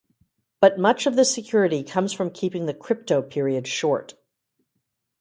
But much of the security comes from keeping the cryptoperiod short.